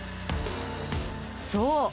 そう！